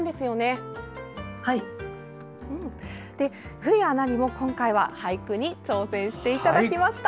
古谷アナにも今回は俳句に挑戦していただきました。